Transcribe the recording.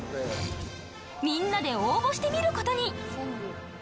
みんなで応募してみる事に